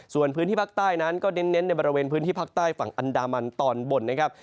ส่วนพื้นที่ภาคใต้นั้นก็เน้นในบริเวณพื้นที่ภาคใต้ฝั่งอันดามันตอนบนนะครับ